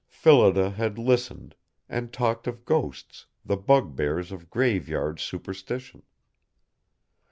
Phillida had listened; and talked of ghosts the bugbears of grave yard superstition.